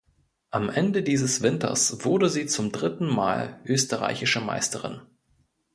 Am Ende dieses Winters wurde sie zum dritten Mal Österreichische Meisterin.